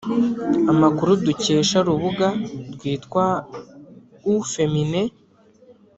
Amakuru dukesha rubuga rwitwa Au feminine